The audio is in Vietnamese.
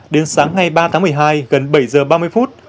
đến sáng ngày ba tháng một mươi hai gần bảy giờ ba mươi phút